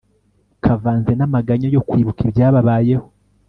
kavanze n'amaganya yo kwibuka ibyababayeho